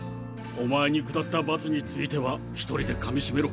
お前に下った罰については一人でかみ締めろ。